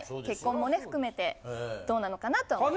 結婚もね含めてどうなのかなと。